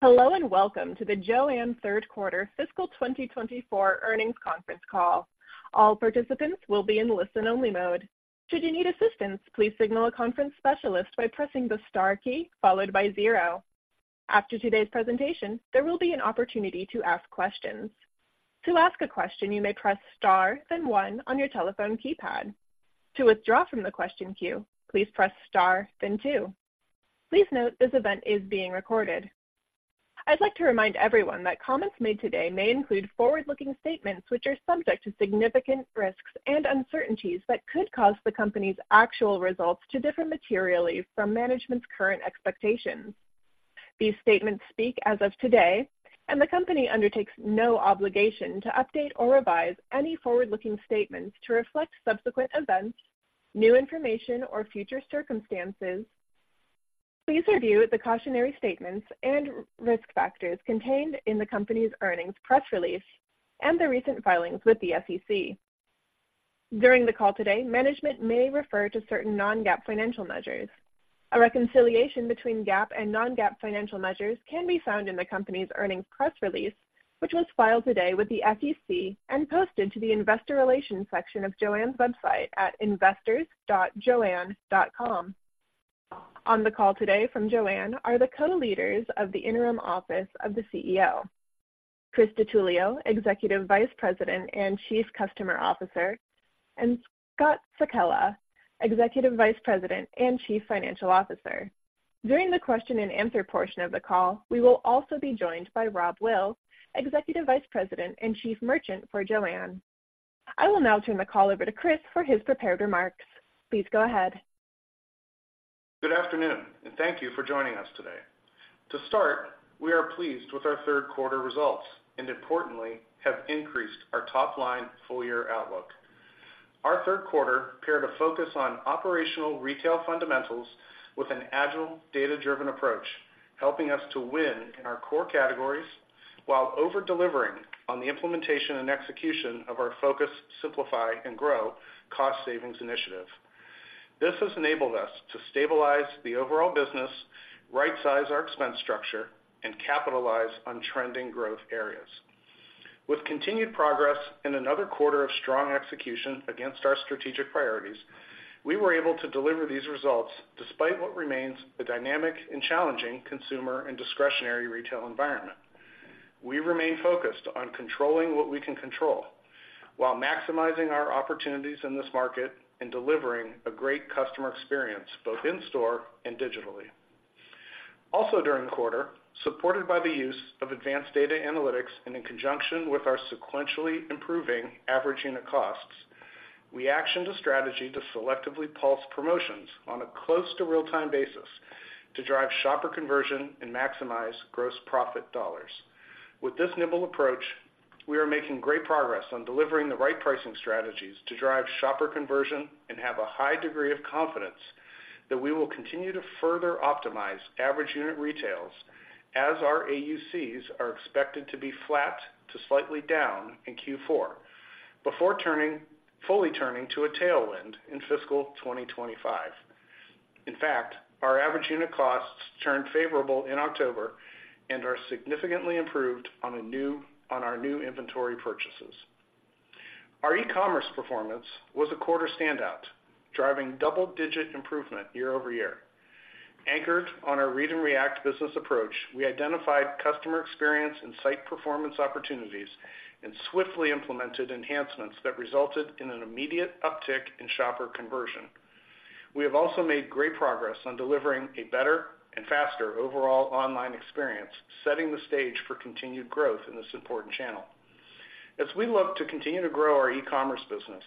Hello, and welcome to the JOANN third quarter fiscal 2024 earnings conference call. All participants will be in listen-only mode. Should you need assistance, please signal a conference specialist by pressing the star key followed by zero. After today's presentation, there will be an opportunity to ask questions. To ask a question, you may press star, then one on your telephone keypad. To withdraw from the question queue, please press star, then two. Please note, this event is being recorded. I'd like to remind everyone that comments made today may include forward-looking statements which are subject to significant risks and uncertainties that could cause the company's actual results to differ materially from management's current expectations. These statements speak as of today, and the company undertakes no obligation to update or revise any forward-looking statements to reflect subsequent events, new information, or future circumstances. Please review the cautionary statements and risk factors contained in the company's earnings press release and the recent filings with the SEC. During the call today, management may refer to certain Non-GAAP financial measures. A reconciliation between GAAP and Non-GAAP financial measures can be found in the company's earnings press release, which was filed today with the SEC and posted to the investor relations section of JOANN's website at investors.joann.com. On the call today from JOANN are the co-leaders of the interim office of the CEO, Chris DiTullio, Executive Vice President and Chief Customer Officer, and Scott Sekella, Executive Vice President and Chief Financial Officer. During the question and answer portion of the call, we will also be joined by Rob Will, Executive Vice President and Chief Merchant for JOANN. I will now turn the call over to Chris for his prepared remarks. Please go ahead. Good afternoon, and thank you for joining us today. To start, we are pleased with our third quarter results and importantly, have increased our top-line full-year outlook. Our third quarter prepared a focus on operational retail fundamentals with an agile, data-driven approach, helping us to win in our core categories while over-delivering on the implementation and execution of our Focus, Simplify, and Grow cost savings initiative. This has enabled us to stabilize the overall business, right-size our expense structure, and capitalize on trending growth areas. With continued progress and another quarter of strong execution against our strategic priorities, we were able to deliver these results despite what remains a dynamic and challenging consumer and discretionary retail environment. We remain focused on controlling what we can control while maximizing our opportunities in this market and delivering a great customer experience, both in store and digitally. Also, during the quarter, supported by the use of advanced data analytics and in conjunction with our sequentially improving average unit costs, we actioned a strategy to selectively pulse promotions on a close to real-time basis to drive shopper conversion and maximize gross profit dollars. With this nimble approach, we are making great progress on delivering the right pricing strategies to drive shopper conversion and have a high degree of confidence that we will continue to further optimize average unit retails as our AUCs are expected to be flat to slightly down in Q4, before fully turning to a tailwind in fiscal 2025. In fact, our average unit costs turned favorable in October and are significantly improved on our new inventory purchases. Our e-commerce performance was a quarter standout, driving double-digit improvement year-over-year. Anchored on our Read and React business approach, we identified customer experience and site performance opportunities and swiftly implemented enhancements that resulted in an immediate uptick in shopper conversion. We have also made great progress on delivering a better and faster overall online experience, setting the stage for continued growth in this important channel. As we look to continue to grow our e-commerce business,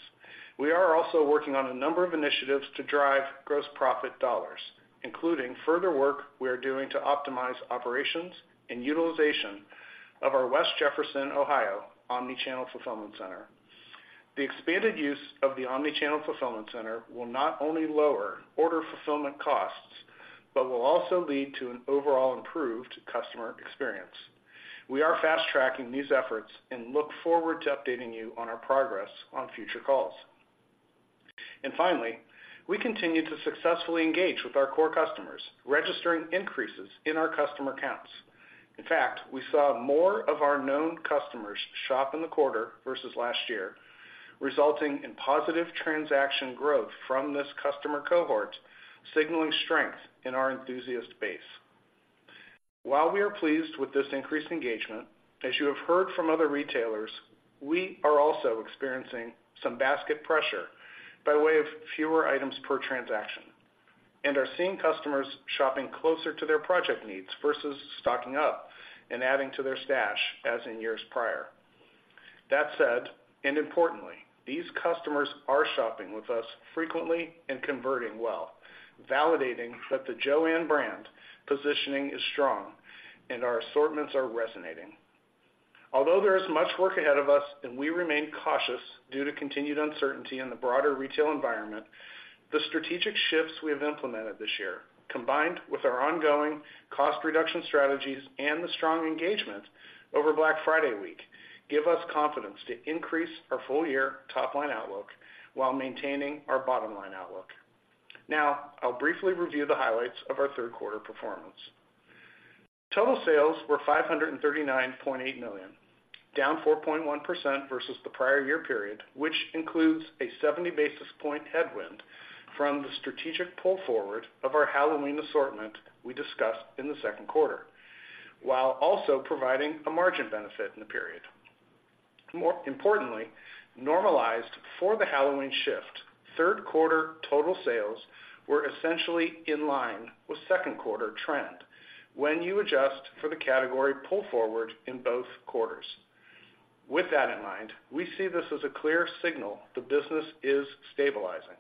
we are also working on a number of initiatives to drive gross profit dollars, including further work we are doing to optimize operations and utilization of our West Jefferson, Ohio, omnichannel fulfillment center. The expanded use of the omnichannel fulfillment center will not only lower order fulfillment costs, but will also lead to an overall improved customer experience. We are fast-tracking these efforts and look forward to updating you on our progress on future calls. Finally, we continue to successfully engage with our core customers, registering increases in our customer counts. In fact, we saw more of our known customers shop in the quarter versus last year, resulting in positive transaction growth from this customer cohort, signaling strength in our enthusiast base. While we are pleased with this increased engagement, as you have heard from other retailers, we are also experiencing some basket pressure by way of fewer items per transaction and are seeing customers shopping closer to their project needs versus stocking up and adding to their stash as in years prior. That said, and importantly, these customers are shopping with us frequently and converting well, validating that the JOANN brand positioning is strong and our assortments are resonating. Although there is much work ahead of us and we remain cautious due to continued uncertainty in the broader retail environment, the strategic shifts we have implemented this year, combined with our ongoing cost reduction strategies and the strong engagement over Black Friday week, give us confidence to increase our full-year top-line outlook while maintaining our bottom-line outlook. Now, I'll briefly review the highlights of our third quarter performance. Total sales were $539.8 million, down 4.1% versus the prior year period, which includes a 70 basis point headwind from the strategic pull forward of our Halloween assortment we discussed in the second quarter, while also providing a margin benefit in the period. More importantly, normalized for the Halloween shift, third quarter total sales were essentially in line with second quarter trend when you adjust for the category pull forward in both quarters. With that in mind, we see this as a clear signal the business is stabilizing.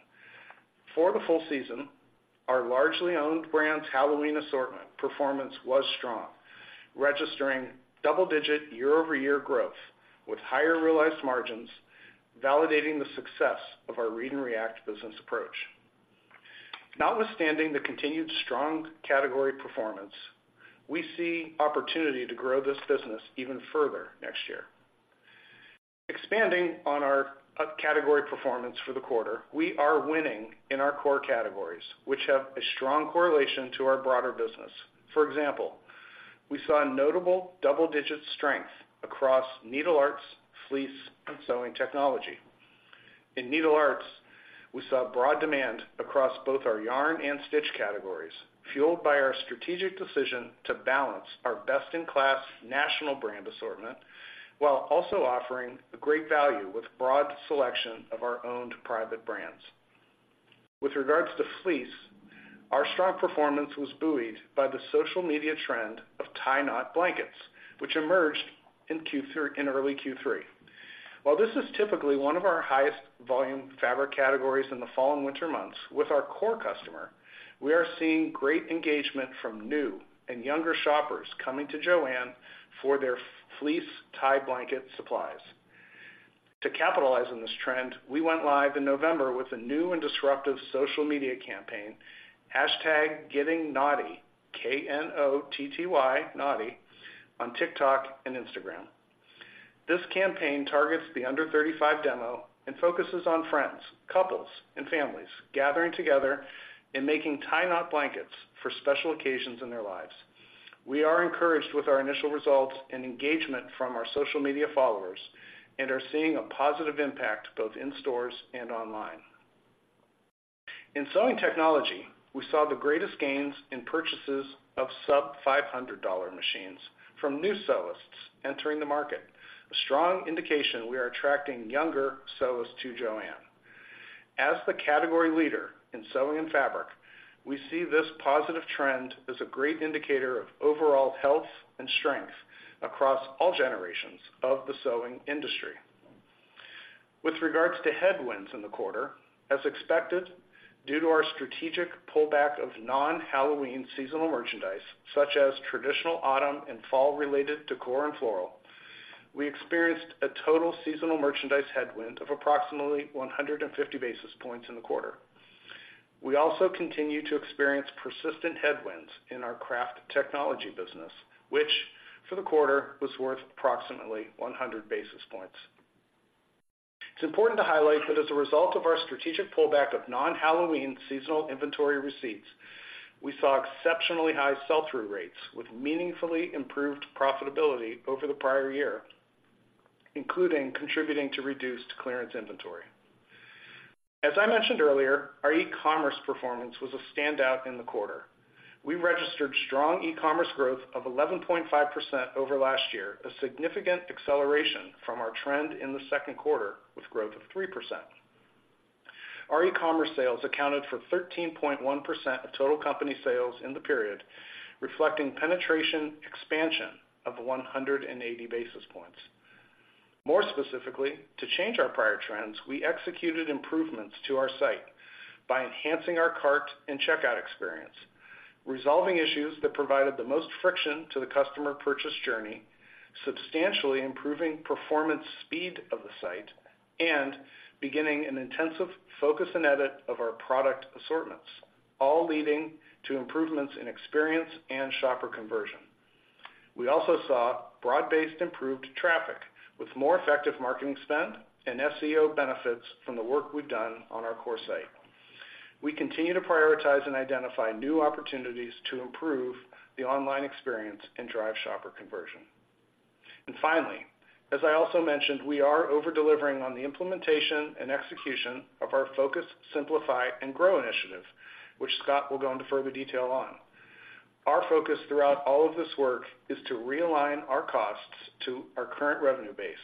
For the full season, our largely owned brands Halloween assortment performance was strong, registering double-digit year-over-year growth with higher realized margins, validating the success of our Read and React business approach. Notwithstanding the continued strong category performance, we see opportunity to grow this business even further next year. Expanding on our category performance for the quarter, we are winning in our core categories, which have a strong correlation to our broader business. For example, we saw a notable double-digit strength across needle arts, fleece, and sewing technology. In needle arts, we saw broad demand across both our yarn and stitch categories, fueled by our strategic decision to balance our best-in-class national brand assortment, while also offering a great value with broad selection of our owned private brands. With regards to fleece, our strong performance was buoyed by the social media trend of tie knot blankets, which emerged in early Q3. While this is typically one of our highest volume fabric categories in the fall and winter months with our core customer, we are seeing great engagement from new and younger shoppers coming to JOANN for their fleece tie blanket supplies. To capitalize on this trend, we went live in November with a new and disruptive social media campaign, #GettingKnotty, K-N-O-T-T-Y, knotty, on TikTok and Instagram. This campaign targets the under-35 demo and focuses on friends, couples, and families gathering together and making tie knot blankets for special occasions in their lives. We are encouraged with our initial results and engagement from our social media followers and are seeing a positive impact both in stores and online. In sewing technology, we saw the greatest gains in purchases of sub-$500 machines from new sewists entering the market, a strong indication we are attracting younger sewists to JOANN. As the category leader in sewing and fabric, we see this positive trend as a great indicator of overall health and strength across all generations of the sewing industry. With regards to headwinds in the quarter, as expected, due to our strategic pullback of non-Halloween seasonal merchandise, such as traditional autumn and fall-related decor and floral, we experienced a total seasonal merchandise headwind of approximately 150 basis points in the quarter. We also continue to experience persistent headwinds in our craft technology business, which, for the quarter, was worth approximately 100 basis points. It's important to highlight that as a result of our strategic pullback of non-Halloween seasonal inventory receipts, we saw exceptionally high sell-through rates with meaningfully improved profitability over the prior year, including contributing to reduced clearance inventory. As I mentioned earlier, our e-commerce performance was a standout in the quarter. We registered strong e-commerce growth of 11.5% over last year, a significant acceleration from our trend in the second quarter, with growth of 3%. Our e-commerce sales accounted for 13.1% of total company sales in the period, reflecting penetration expansion of 180 basis points. More specifically, to change our prior trends, we executed improvements to our site by enhancing our cart and checkout experience, resolving issues that provided the most friction to the customer purchase journey, substantially improving performance speed of the site, and beginning an intensive focus and edit of our product assortments, all leading to improvements in experience and shopper conversion. We also saw broad-based improved traffic with more effective marketing spend and SEO benefits from the work we've done on our core site. We continue to prioritize and identify new opportunities to improve the online experience and drive shopper conversion. And finally, as I also mentioned, we are over-delivering on the implementation and execution of our Focus, Simplify, and Grow initiative, which Scott will go into further detail on. Our focus throughout all of this work is to realign our costs to our current revenue base,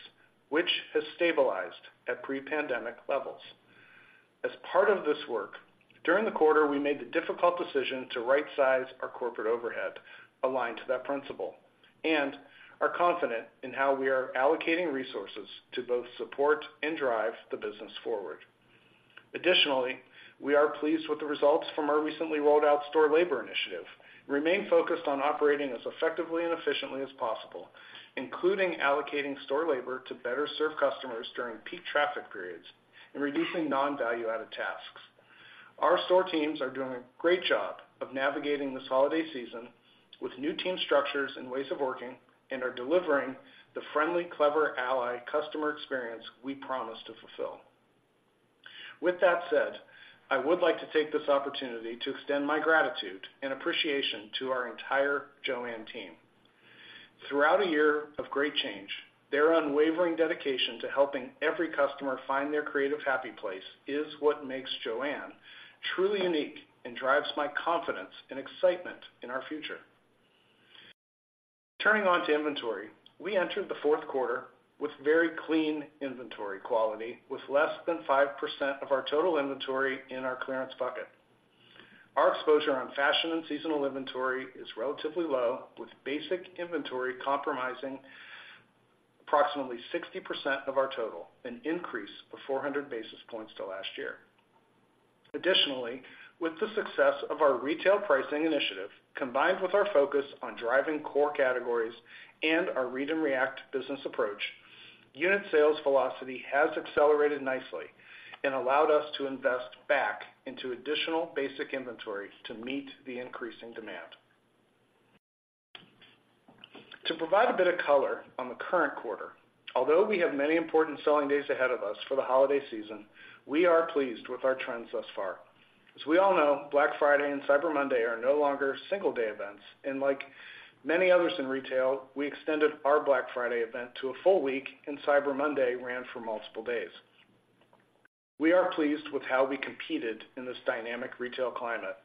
which has stabilized at pre-pandemic levels. As part of this work, during the quarter, we made the difficult decision to rightsize our corporate overhead aligned to that principle and are confident in how we are allocating resources to both support and drive the business forward. Additionally, we are pleased with the results from our recently rolled out store labor initiative, and remain focused on operating as effectively and efficiently as possible, including allocating store labor to better serve customers during peak traffic periods and reducing non-value-added tasks. Our store teams are doing a great job of navigating this holiday season with new team structures and ways of working, and are delivering the Friendly, Clever Ally, customer experience we promise to fulfill. With that said, I would like to take this opportunity to extend my gratitude and appreciation to our entire JOANN team. Throughout a year of great change, their unwavering dedication to helping every customer find their creative happy place is what makes JOANN truly unique and drives my confidence and excitement in our future. Turning on to inventory, we entered the fourth quarter with very clean inventory quality, with less than 5% of our total inventory in our clearance bucket. Our exposure on fashion and seasonal inventory is relatively low, with basic inventory comprising approximately 60% of our total, an increase of 400 basis points to last year. Additionally, with the success of our retail pricing initiative, combined with our focus on driving core categories and our Read and React business approach, unit sales velocity has accelerated nicely and allowed us to invest back into additional basic inventory to meet the increasing demand. To provide a bit of color on the current quarter, although we have many important selling days ahead of us for the holiday season, we are pleased with our trends thus far. As we all know, Black Friday and Cyber Monday are no longer single day events, and like many others in retail, we extended our Black Friday event to a full week, and Cyber Monday ran for multiple days. We are pleased with how we competed in this dynamic retail climate.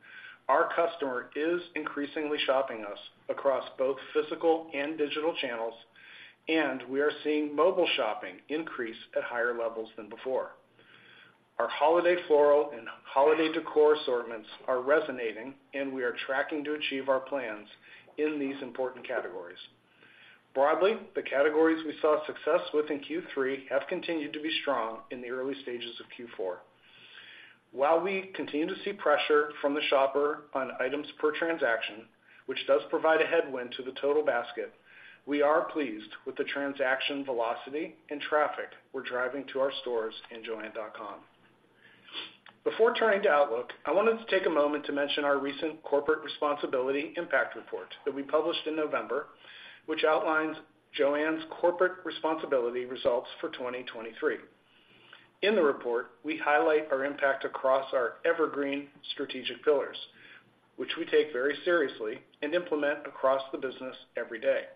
Our customer is increasingly shopping us across both physical and digital channels, and we are seeing mobile shopping increase at higher levels than before. Our holiday floral and holiday decor assortments are resonating, and we are tracking to achieve our plans in these important categories. Broadly, the categories we saw success with in Q3 have continued to be strong in the early stages of Q4. While we continue to see pressure from the shopper on items per transaction, which does provide a headwind to the total basket, we are pleased with the transaction velocity and traffic we're driving to our stores in Joann.com. Before turning to outlook, I wanted to take a moment to mention our recent Corporate Responsibility Impact Report that we published in November, which outlines JOANN's corporate responsibility results for 2023. In the report, we highlight our impact across our evergreen strategic pillars, which we take very seriously and implement across the business every day.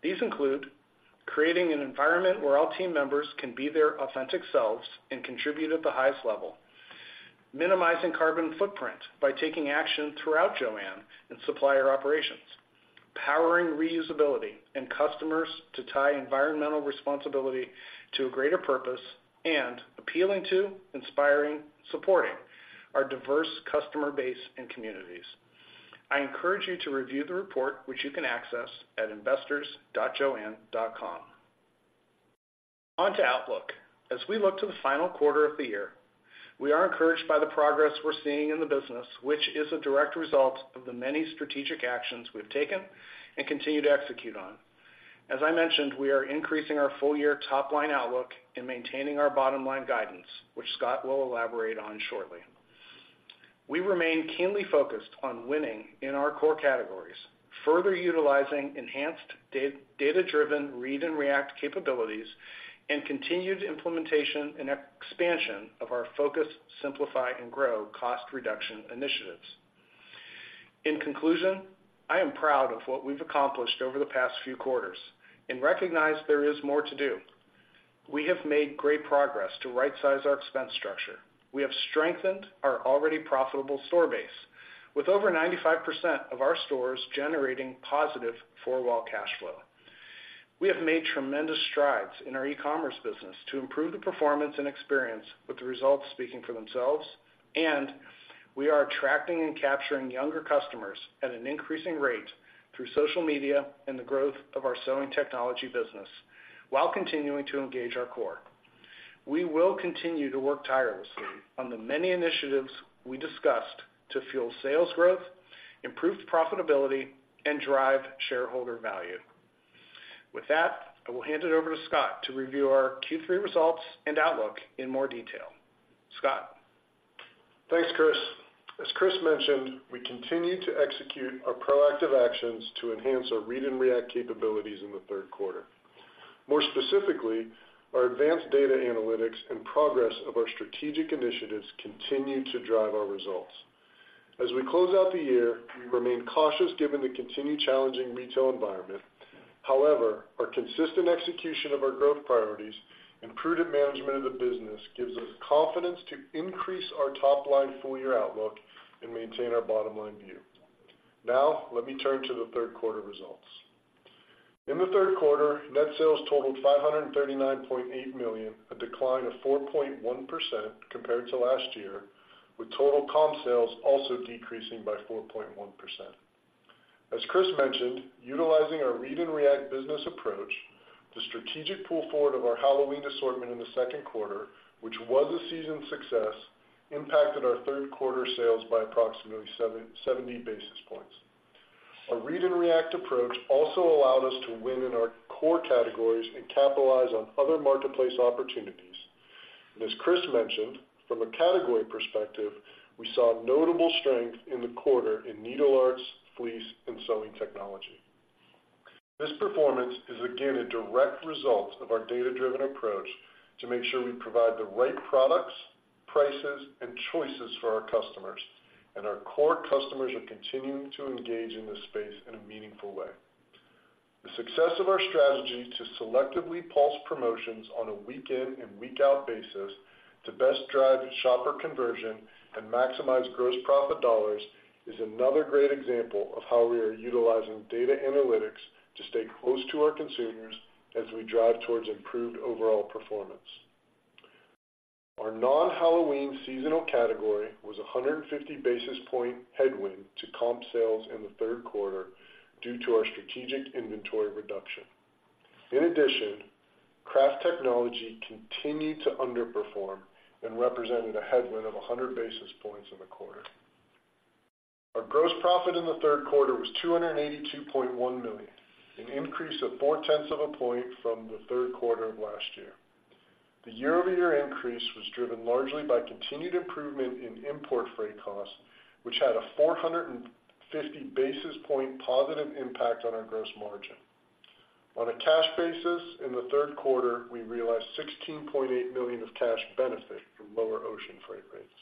These include creating an environment where all team members can be their authentic selves and contribute at the highest level, minimizing carbon footprint by taking action throughout JOANN and supplier operations, powering reusability and customers to tie environmental responsibility to a greater purpose, and appealing to, inspiring, supporting our diverse customer base and communities. I encourage you to review the report, which you can access at investors.joann.com. On to outlook. As we look to the final quarter of the year, we are encouraged by the progress we're seeing in the business, which is a direct result of the many strategic actions we've taken and continue to execute on. As I mentioned, we are increasing our full-year top-line outlook and maintaining our bottom-line guidance, which Scott will elaborate on shortly. We remain keenly focused on winning in our core categories, further utilizing enhanced data-driven Read and React capabilities, and continued implementation and expansion of our Focus, Simplify, and Grow cost reduction initiatives. In conclusion, I am proud of what we've accomplished over the past few quarters and recognize there is more to do. We have made great progress to rightsize our expense structure. We have strengthened our already profitable store base, with over 95% of our stores generating positive four-wall cash flow. We have made tremendous strides in our e-commerce business to improve the performance and experience, with the results speaking for themselves, and we are attracting and capturing younger customers at an increasing rate through social media and the growth of our sewing technology business, while continuing to engage our core. We will continue to work tirelessly on the many initiatives we discussed to fuel sales growth, improve profitability, and drive shareholder value. With that, I will hand it over to Scott to review our Q3 results and outlook in more detail. Scott? Thanks, Chris. As Chris mentioned, we continued to execute our proactive actions to enhance our Read and React capabilities in the third quarter. More specifically, our advanced data analytics and progress of our strategic initiatives continued to drive our results. As we close out the year, we remain cautious given the continued challenging retail environment. However, our consistent execution of our growth priorities and prudent management of the business gives us confidence to increase our top-line full-year outlook and maintain our bottom-line view. Now, let me turn to the third quarter results. In the third quarter, net sales totaled $539.8 million, a 4.1% decline compared to last year, with total comp sales also decreasing by 4.1%. As Chris mentioned, utilizing our Read and React business approach, the strategic pull forward of our Halloween assortment in the second quarter, which was a seasonal success, impacted our third quarter sales by approximately 770 basis points. Our Read and React approach also allowed us to win in our core categories and capitalize on other marketplace opportunities. As Chris mentioned, from a category perspective, we saw notable strength in the quarter in needle arts, fleece, and sewing technology. This performance is again a direct result of our data-driven approach to make sure we provide the right products, prices, and choices for our customers, and our core customers are continuing to engage in this space in a meaningful way. The success of our strategy to selectively pulse promotions on a week-in and week-out basis to best drive shopper conversion and maximize gross profit dollars is another great example of how we are utilizing data analytics to stay close to our consumers as we drive towards improved overall performance. Our non-Halloween seasonal category was a 150 basis point headwind to comp sales in the third quarter due to our strategic inventory reduction. In addition, craft technology continued to underperform and represented a headwind of 100 basis points in the quarter. Our gross profit in the third quarter was $282.1 million, an increase of 0.4 of a point from the third quarter of last year. The year-over-year increase was driven largely by continued improvement in import freight costs, which had a 450 basis point positive impact on our gross margin. On a cash basis, in the third quarter, we realized $16.8 million of cash benefit from lower ocean freight rates.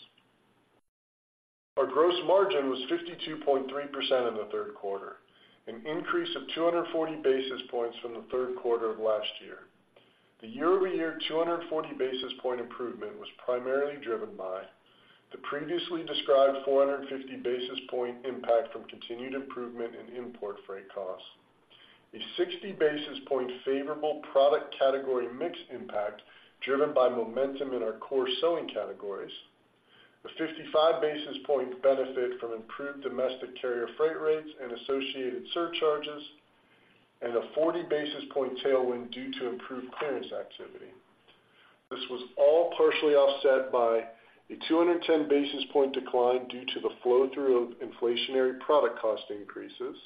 Our gross margin was 52.3% in the third quarter, an increase of 240 basis points from the third quarter of last year. The year-over-year 240 basis point improvement was primarily driven by the previously described 450 basis point impact from continued improvement in import freight costs. A 60 basis point favorable product category mix impact, driven by momentum in our core sewing categories, a 55 basis point benefit from improved domestic carrier freight rates and associated surcharges, and a 40 basis point tailwind due to improved clearance activity. This was all partially offset by a 210 basis point decline due to the flow-through of inflationary product cost increases,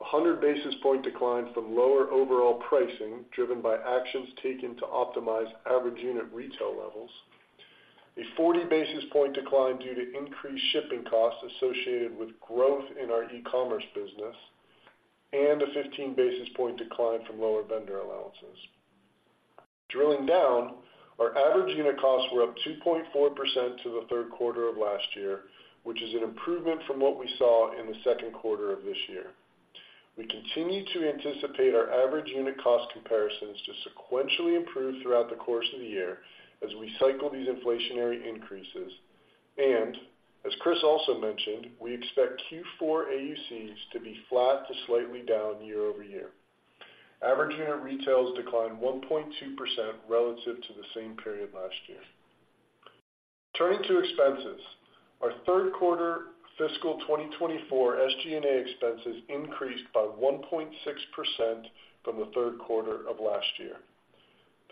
a 100 basis point decline from lower overall pricing driven by actions taken to optimize average unit retail levels, a 40 basis point decline due to increased shipping costs associated with growth in our e-commerce business, and a 15 basis point decline from lower vendor allowances. Drilling down, our average unit costs were up 2.4% to the third quarter of last year, which is an improvement from what we saw in the second quarter of this year. We continue to anticipate our average unit cost comparisons to sequentially improve throughout the course of the year as we cycle these inflationary increases. And, as Chris also mentioned, we expect Q4 AUCs to be flat to slightly down year-over-year. Average unit retail declined 1.2% relative to the same period last year. Turning to expenses, our third quarter fiscal 2024 SG&A expenses increased by 1.6% from the third quarter of last year.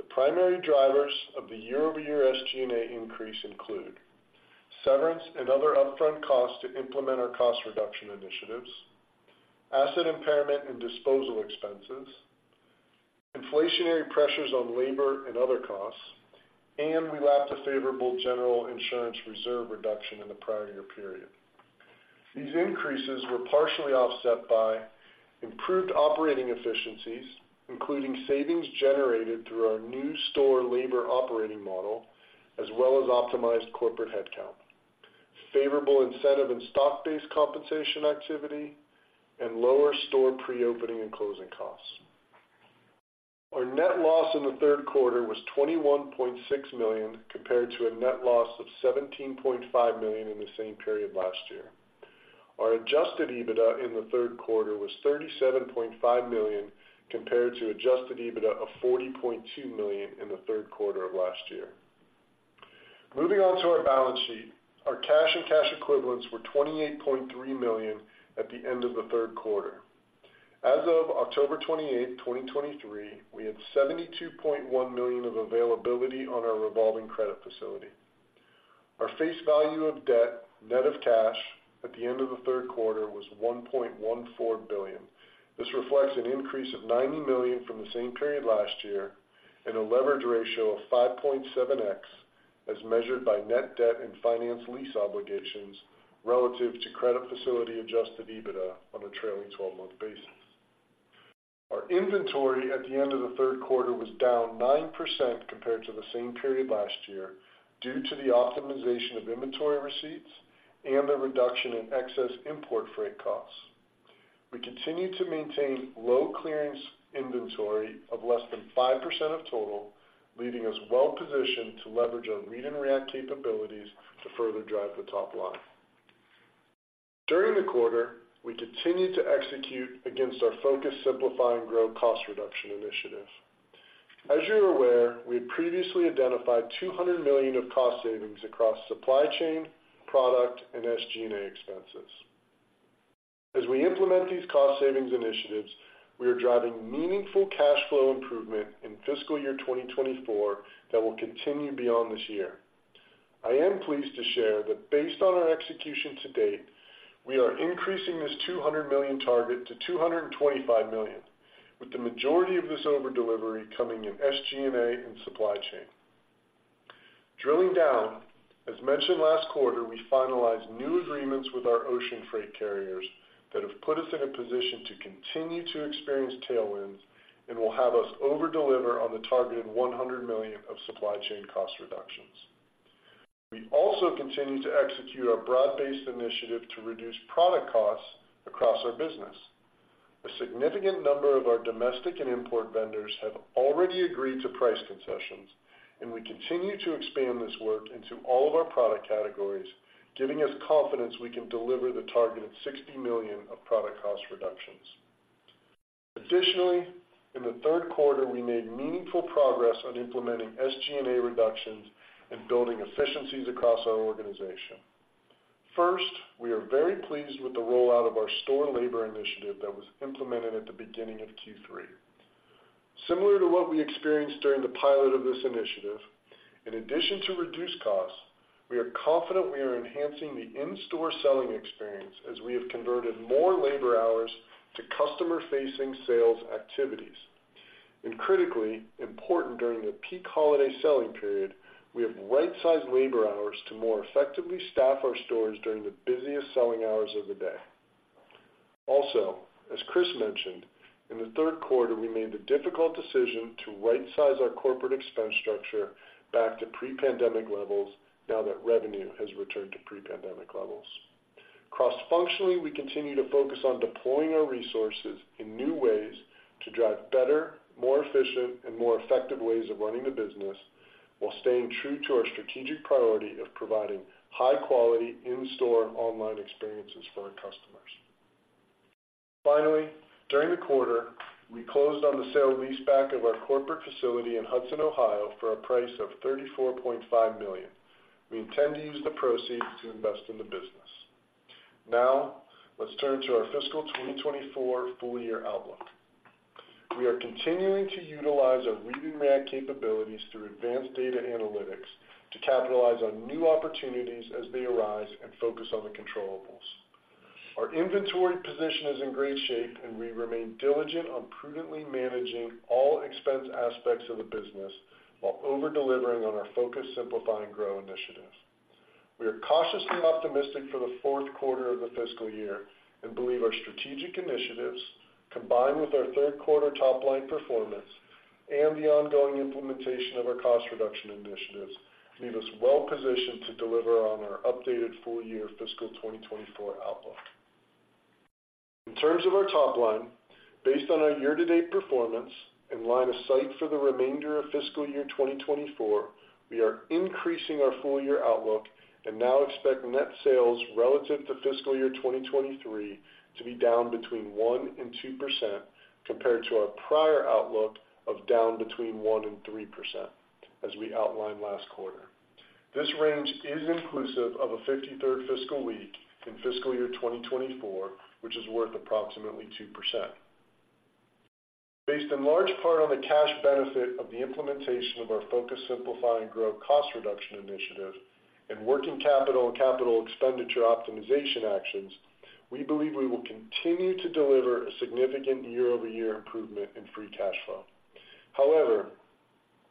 The primary drivers of the year-over-year SG&A increase include: severance and other upfront costs to implement our cost reduction initiatives, asset impairment and disposal expenses, inflationary pressures on labor and other costs, and we lapped a favorable general insurance reserve reduction in the prior year period. These increases were partially offset by improved operating efficiencies, including savings generated through our new store labor operating model, as well as optimized corporate headcount, favorable incentive and stock-based compensation activity, and lower store pre-opening and closing costs. Our net loss in the third quarter was $21.6 million, compared to a net loss of $17.5 million in the same period last year. Our Adjusted EBITDA in the third quarter was $37.5 million, compared to Adjusted EBITDA of $40.2 million in the third quarter of last year. Moving on to our balance sheet. Our cash and cash equivalents were $28.3 million at the end of the third quarter. As of October 28th, 2023, we had $72.1 million of availability on our revolving credit facility. Our face value of debt, net of cash at the end of the third quarter, was $1.14 billion. This reflects an increase of $90 million from the same period last year and a leverage ratio of 5.7x, as measured by net debt and finance lease obligations relative to credit facility Adjusted EBITDA on a trailing twelve-month basis. Our inventory at the end of the third quarter was down 9% compared to the same period last year due to the optimization of inventory receipts and a reduction in excess import freight costs. We continue to maintain low clearance inventory of less than 5% of total, leaving us well-positioned to leverage our Read and React capabilities to further drive the top line. During the quarter, we continued to execute against our Focus, Simplify, and Grow cost reduction initiative. As you're aware, we had previously identified $200 million of cost savings across supply chain, product, and SG&A expenses. As we implement these cost savings initiatives, we are driving meaningful cash flow improvement in fiscal year 2024 that will continue beyond this year. I am pleased to share that based on our execution to date, we are increasing this $200 million target-$225 million target, with the majority of this over-delivery coming in SG&A and supply chain. Drilling down, as mentioned last quarter, we finalized new agreements with our ocean freight carriers that have put us in a position to continue to experience tailwinds and will have us over-deliver on the targeted $100 million of supply chain cost reductions. We also continue to execute our broad-based initiative to reduce product costs across our business. A significant number of our domestic and import vendors have already agreed to price concessions, and we continue to expand this work into all of our product categories, giving us confidence we can deliver the targeted $60 million of product cost reductions. Additionally, in the third quarter, we made meaningful progress on implementing SG&A reductions and building efficiencies across our organization. First, we are very pleased with the rollout of our store labor initiative that was implemented at the beginning of Q3. Similar to what we experienced during the pilot of this initiative, in addition to reduced costs, we are confident we are enhancing the in-store selling experience as we have converted more labor hours to customer-facing sales activities. Critically important, during the peak holiday selling period, we have right-sized labor hours to more effectively staff our stores during the busiest selling hours of the day. Also, as Chris mentioned, in the third quarter, we made the difficult decision to rightsize our corporate expense structure back to pre-pandemic levels now that revenue has returned to pre-pandemic levels. Cross-functionally, we continue to focus on deploying our resources in new ways to drive better, more efficient, and more effective ways of running the business, while staying true to our strategic priority of providing high-quality in-store online experiences for our customers. Finally, during the quarter, we closed on the sale-leaseback of our corporate facility in Hudson, Ohio, for a price of $34.5 million. We intend to use the proceeds to invest in the business. Now, let's turn to our fiscal 2024 full-year outlook. We are continuing to utilize our Read and React capabilities through advanced data analytics to capitalize on new opportunities as they arise and focus on the controllables. Our inventory position is in great shape, and we remain diligent on prudently managing all expense aspects of the business while over-delivering on our Focus, Simplify, and Grow initiatives. We are cautiously optimistic for the fourth quarter of the fiscal year and believe our strategic initiatives, combined with our third quarter top-line performance and the ongoing implementation of our cost reduction initiatives, leave us well positioned to deliver on our updated full-year fiscal 2024 outlook. In terms of our top line, based on our year-to-date performance and line of sight for the remainder of fiscal year 2024, we are increasing our full-year outlook and now expect net sales relative to fiscal year 2023 to be down between 1% and 2% compared to our prior outlook of down between 1% and 3%, as we outlined last quarter. This range is inclusive of a 53rd fiscal week in fiscal year 2024, which is worth approximately 2%. Based in large part on the cash benefit of the implementation of our Focus, Simplify, and Grow cost reduction initiative and working capital and capital expenditure optimization actions, we believe we will continue to deliver a significant year-over-year improvement in free cash flow. However,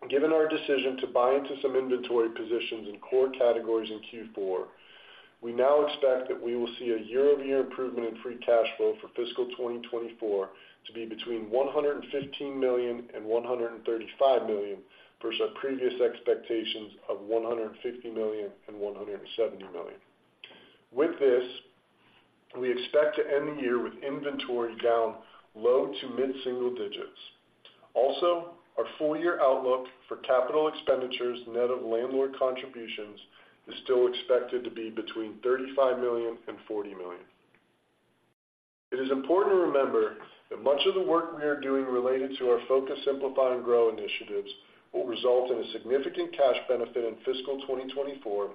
given our decision to buy into some inventory positions in core categories in Q4, we now expect that we will see a year-over-year improvement in free cash flow for fiscal 2024 to be between $115 million and $135 million, versus our previous expectations of $150 million and $170 million. With this, we expect to end the year with inventory down low- to mid-single digits. Also, our full-year outlook for capital expenditures, net of landlord contributions, is still expected to be between $35 million and $40 million. It is important to remember that much of the work we are doing related to our Focus, Simplify, and Grow initiatives will result in a significant cash benefit in fiscal 2024,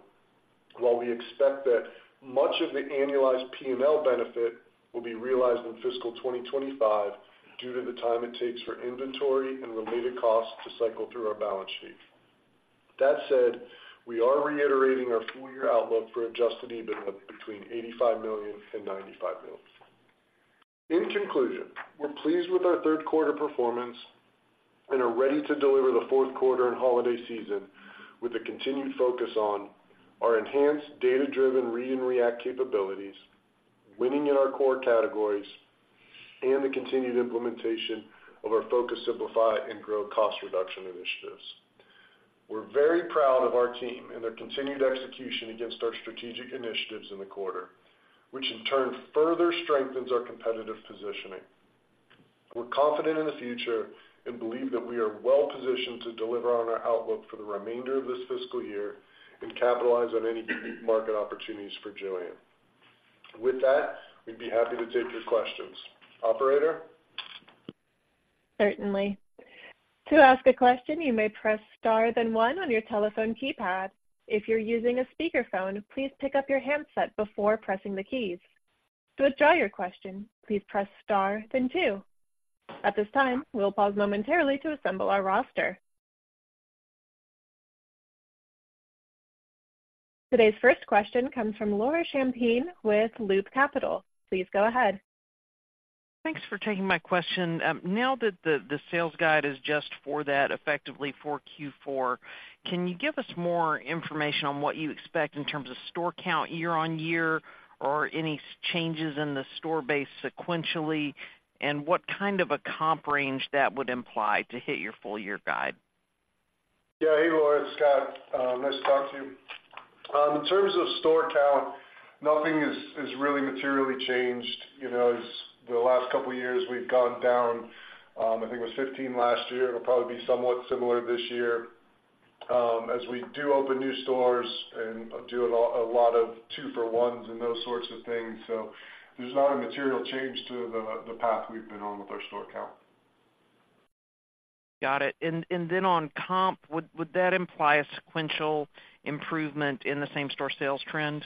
while we expect that much of the annualized P&L benefit will be realized in fiscal 2025 due to the time it takes for inventory and related costs to cycle through our balance sheet. That said, we are reiterating our full-year outlook for adjusted EBITDA between $85 million and $95 million. In conclusion, we're pleased with our third quarter performance and are ready to deliver the fourth quarter and holiday season with a continued focus on our enhanced data-driven Read and React capabilities, winning in our core categories, and the continued implementation of our Focus, Simplify, and Grow cost reduction initiatives. We're very proud of our team and their continued execution against our strategic initiatives in the quarter, which in turn further strengthens our competitive positioning. We're confident in the future and believe that we are well positioned to deliver on our outlook for the remainder of this fiscal year and capitalize on any unique market opportunities for JOANN. With that, we'd be happy to take your questions. Operator? Certainly. To ask a question, you may press star, then one on your telephone keypad. If you're using a speakerphone, please pick up your handset before pressing the keys. To withdraw your question, please press star, then two. At this time, we'll pause momentarily to assemble our roster.... Today's first question comes from Laura Champine with Loop Capital. Please go ahead. Thanks for taking my question. Now that the sales guide is just for that effectively for Q4, can you give us more information on what you expect in terms of store count year-on-year, or any changes in the store base sequentially, and what kind of a comp range that would imply to hit your full year guide? Yeah, hey, Laura, it's Scott. Nice to talk to you. In terms of store count, nothing has really materially changed. You know, as the last couple of years, we've gone down, I think it was 15 last year. It'll probably be somewhat similar this year, as we do open new stores and do a lot of two-for-ones and those sorts of things. So there's not a material change to the path we've been on with our store count. Got it. And then on comp, would that imply a sequential improvement in the same store sales trend?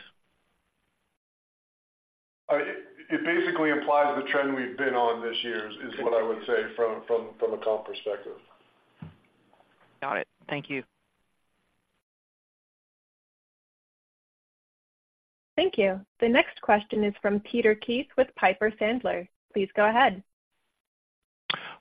It basically implies the trend we've been on this year is what I would say from a comp perspective. Got it. Thank you. Thank you. The next question is from Peter Keith with Piper Sandler. Please go ahead.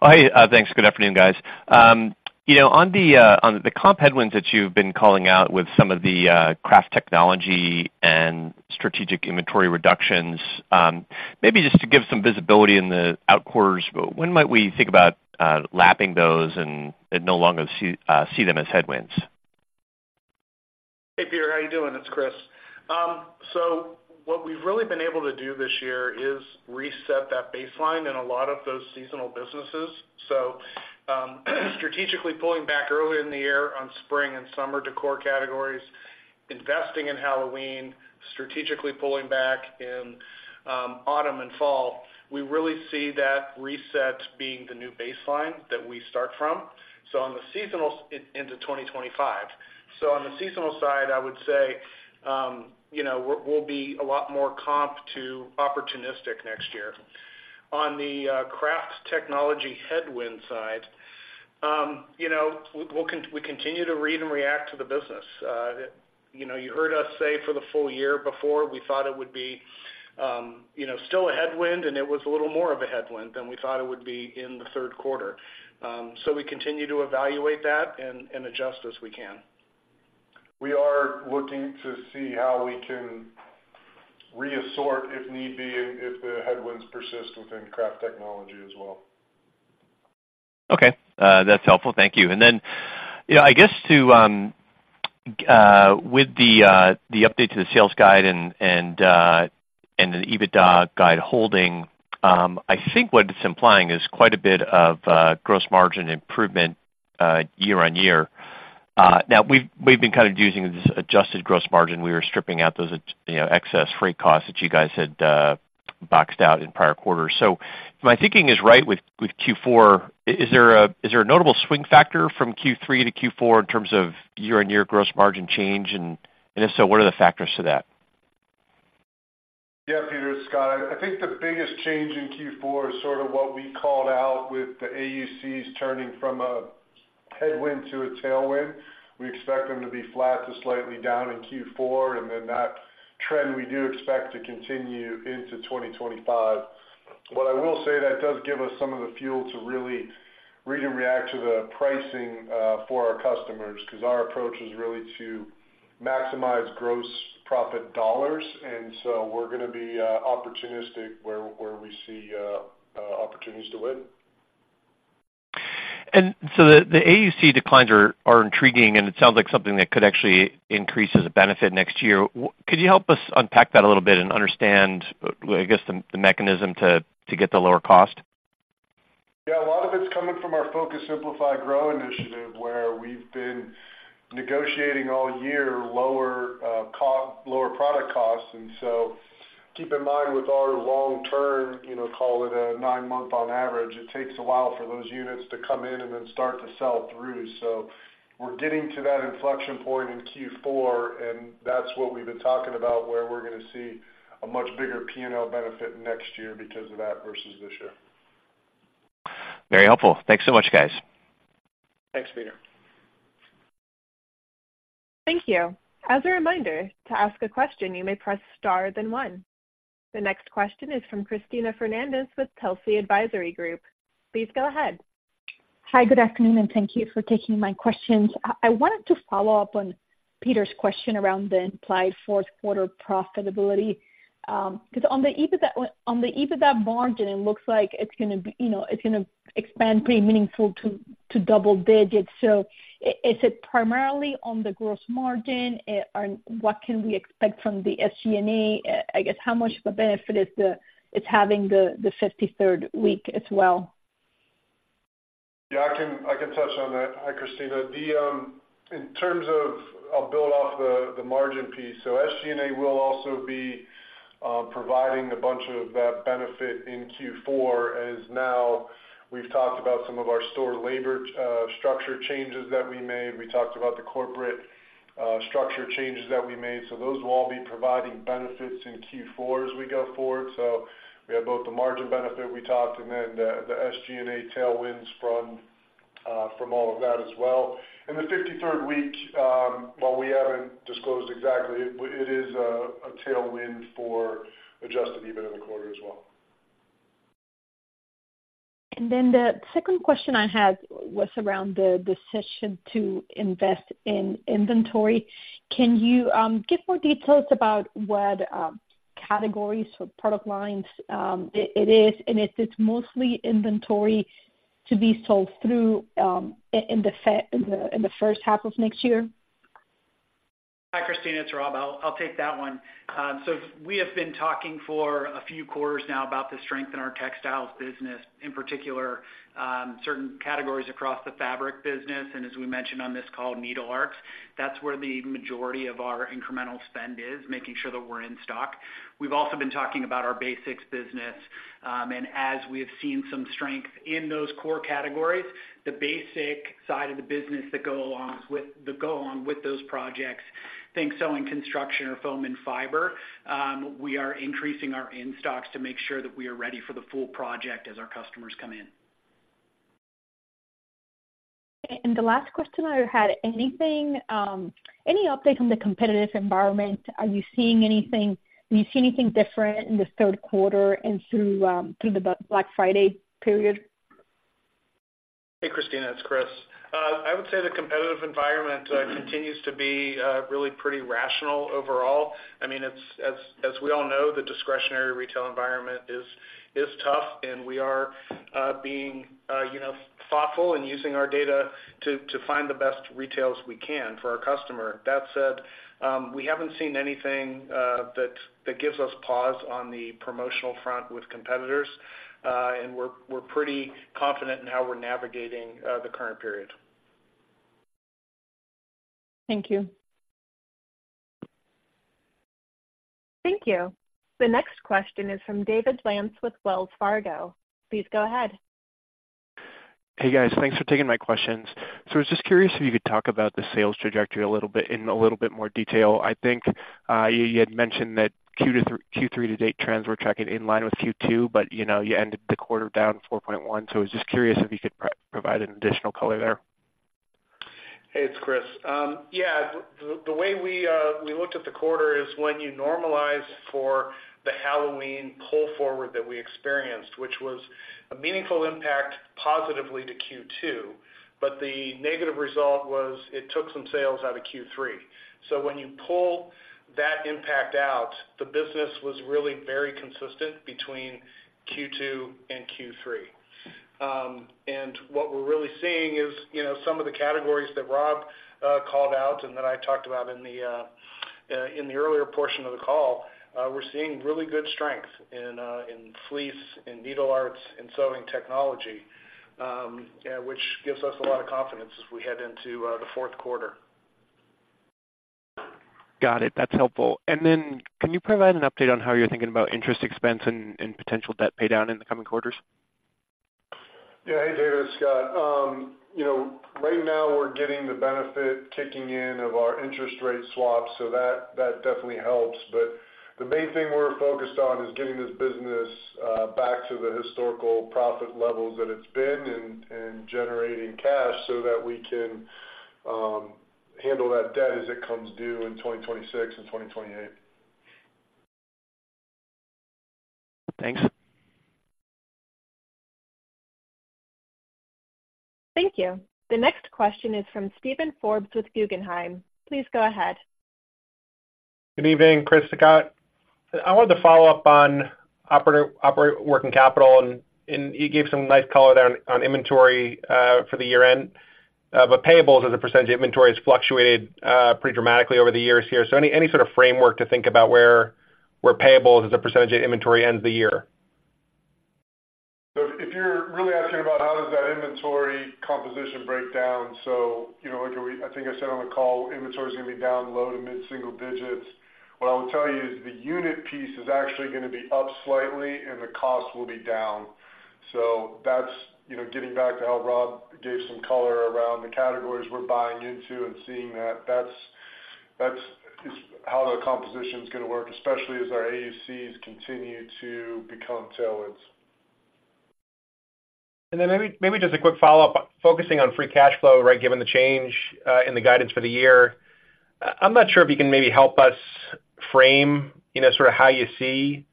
Hi, thanks. Good afternoon, guys. You know, on the comp headwinds that you've been calling out with some of the craft technology and strategic inventory reductions, maybe just to give some visibility in the out quarters, when might we think about lapping those and no longer see them as headwinds? Hey, Peter, how are you doing? It's Chris. So what we've really been able to do this year is reset that baseline in a lot of those seasonal businesses. So, strategically pulling back earlier in the year on spring and summer decor categories, investing in Halloween, strategically pulling back in, autumn and fall, we really see that reset being the new baseline that we start from. So on the seasonal-- into 2025. So on the seasonal side, I would say, you know, we'll be a lot more comp to opportunistic next year. On the, craft technology headwind side, you know, we continue to Read and React to the business. You know, you heard us say for the full year before, we thought it would be, you know, still a headwind, and it was a little more of a headwind than we thought it would be in the third quarter. So we continue to evaluate that and adjust as we can. We are looking to see how we can reassort, if need be, if the headwinds persist within craft technology as well. Okay, that's helpful. Thank you. And then, you know, I guess with the update to the sales guide and the EBITDA guide holding, I think what it's implying is quite a bit of gross margin improvement year-on-year. Now, we've been kind of using this adjusted gross margin. We were stripping out those, you know, excess freight costs that you guys had boxed out in prior quarters. So my thinking is, with Q4, is there a notable swing factor from Q3 to Q4 in terms of year-on-year gross margin change? And if so, what are the factors to that? Yeah, Peter, it's Scott. I think the biggest change in Q4 is sort of what we called out with the AUCs turning from a headwind to a tailwind. We expect them to be flat to slightly down in Q4, and then that trend we do expect to continue into 2025. What I will say, that does give us some of the fuel to really read and react to the pricing for our customers, because our approach is really to maximize gross profit dollars, and so we're gonna be opportunistic where we see opportunities to win. And so the AUC declines are intriguing, and it sounds like something that could actually increase as a benefit next year. Could you help us unpack that a little bit and understand, I guess, the mechanism to get the lower cost? Yeah, a lot of it's coming from our Focus, Simplify, Grow initiative, where we've been negotiating all year, lower product costs. And so keep in mind, with our long term, you know, call it a nine-month on average, it takes a while for those units to come in and then start to sell through. So we're getting to that inflection point in Q4, and that's what we've been talking about, where we're gonna see a much bigger PNL benefit next year because of that versus this year. Very helpful. Thanks so much, guys. Thanks, Peter. Thank you. As a reminder, to ask a question, you may press Star, then one. The next question is from Cristina Fernández with Telsey Advisory Group. Please go ahead. Hi, good afternoon, and thank you for taking my questions. I wanted to follow up on Peter's question around the implied fourth quarter profitability. Because on the EBITDA, on the EBITDA margin, it looks like it's gonna be, you know, it's gonna expand pretty meaningful to, to double digits. So is it primarily on the gross margin? And what can we expect from the SG&A? I guess, how much of a benefit is it having the, the 53rd week as well? Yeah, I can, I can touch on that. Hi, Cristina. The, in terms of... I'll build off the, the margin piece. So SG&A will also be providing a bunch of that benefit in Q4, as now we've talked about some of our store labor structure changes that we made. We talked about the corporate structure changes that we made. So those will all be providing benefits in Q4 as we go forward. So we have both the margin benefit we talked, and then the, the SG&A tailwinds from all of that as well. In the fifty-third week, while we haven't disclosed exactly, it is a tailwind for Adjusted EBITDA in the quarter as well. And then the second question I had was around the decision to invest in inventory. Can you give more details about what categories or product lines it is? And if it's mostly inventory to be sold through in the first half of next year? Hi, Cristina, it's Rob. I'll, I'll take that one. So we have been talking for a few quarters now about the strength in our textiles business, in particular, certain categories across the fabric business, and as we mentioned on this call, needle arts. That's where the majority of our incremental spend is, making sure that we're in stock. We've also been talking about our basics business, and as we have seen some strength in those core categories, the basic side of the business that go alongs with, that go along with those projects, think sewing, construction, or foam and fiber, we are increasing our in-stocks to make sure that we are ready for the full project as our customers come in. The last question I had: Anything, any update on the competitive environment? Are you seeing anything, do you see anything different in this third quarter and through the Black Friday period? Hey, Christina, it's Chris. I would say the competitive environment continues to be really pretty rational overall. I mean, it's, as we all know, the discretionary retail environment is tough, and we are being, you know, thoughtful in using our data to find the best retails we can for our customer. That said, we haven't seen anything that gives us pause on the promotional front with competitors, and we're pretty confident in how we're navigating the current period. Thank you. Thank you. The next question is from David Lantz with Wells Fargo. Please go ahead. Hey, guys. Thanks for taking my questions. So I was just curious if you could talk about the sales trajectory a little bit, in a little bit more detail. I think you had mentioned that Q3 to date trends were tracking in line with Q2, but, you know, you ended the quarter down 4.1. So I was just curious if you could provide any additional color there. Hey, it's Chris. Yeah, the way we looked at the quarter is when you normalize for the Halloween pull forward that we experienced, which was a meaningful impact positively to Q2, but the negative result was it took some sales out of Q3. So when you pull that impact out, the business was really very consistent between Q2 and Q3. And what we're really seeing is, you know, some of the categories that Rob called out and that I talked about in the earlier portion of the call, we're seeing really good strength in fleece, in needle arts, and sewing technology, which gives us a lot of confidence as we head into the fourth quarter. Got it. That's helpful. And then can you provide an update on how you're thinking about interest expense and potential debt paydown in the coming quarters? Yeah. Hey, David, it's Scott. You know, right now we're getting the benefit kicking in of our interest rate swap, so that, that definitely helps. But the main thing we're focused on is getting this business back to the historical profit levels that it's been and generating cash so that we can handle that debt as it comes due in 2026 and 2028. Thanks. Thank you. The next question is from Steven Forbes with Guggenheim. Please go ahead. Good evening, Chris and Scott. I wanted to follow up on operating working capital, and you gave some nice color there on inventory for the year-end. But payables as a percentage of inventory has fluctuated pretty dramatically over the years here. So any sort of framework to think about where payables as a percentage of inventory ends the year? So if you're really asking about how does that inventory composition break down, so, you know, like we—I think I said on the call, inventory is gonna be down low to mid single digits. What I will tell you is the unit piece is actually gonna be up slightly, and the cost will be down. So that's, you know, getting back to how Rob gave some color around the categories we're buying into and seeing that that's, it's how the composition is gonna work, especially as our AUCs continue to become tailwinds. Then maybe, maybe just a quick follow-up. Focusing on free cash flow, right, given the change in the guidance for the year. I'm not sure if you can maybe help us frame, you know, sort of how you see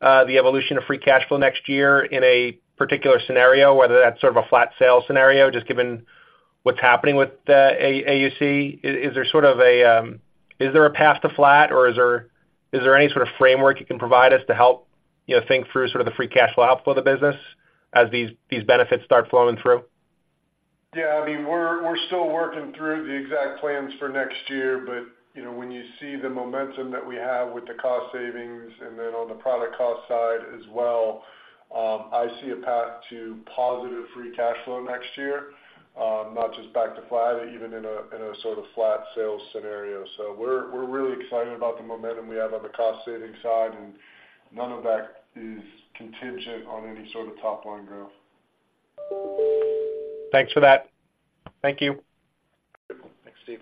the evolution of free cash flow next year in a particular scenario, whether that's sort of a flat sales scenario, just given what's happening with the AUC. Is, is there sort of a, is there a path to flat, or is there, is there any sort of framework you can provide us to help, you know, think through sort of the free cash flow outflow of the business as these, these benefits start flowing through? Yeah, I mean, we're still working through the exact plans for next year, but, you know, when you see the momentum that we have with the cost savings and then on the product cost side as well, I see a path to positive free cash flow next year, not just back to flat, even in a sort of flat sales scenario. So we're really excited about the momentum we have on the cost saving side, and none of that is contingent on any sort of top line growth. Thanks for that. Thank you. Thanks, Steve.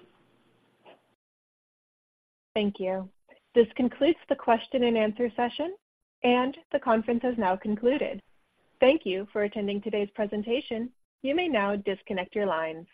Thank you. This concludes the question and answer session, and the conference has now concluded. Thank you for attending today's presentation. You may now disconnect your lines.